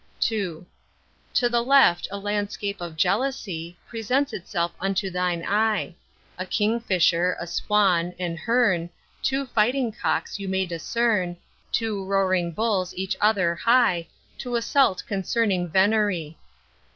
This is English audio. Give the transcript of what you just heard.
II. To the left a landscape of Jealousy, Presents itself unto thine eye. A Kingfisher, a Swan, an Hern, Two fighting cocks you may discern, Two roaring Bulls each other hie, To assault concerning venery.